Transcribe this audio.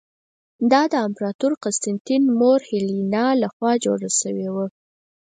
دا د امپراتور قسطنطین مور هیلینا له خوا جوړه شوې وه.